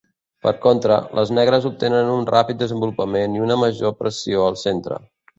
Per contra, les negres obtenen un ràpid desenvolupament i una major pressió al centre.